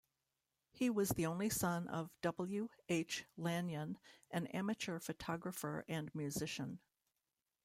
He was the only son of W H Lanyon, an amateur photographer and musician.